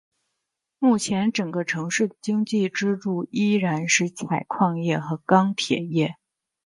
目前整个城市的经济支柱依然是采矿业和钢铁业。